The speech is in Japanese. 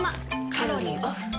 カロリーオフ。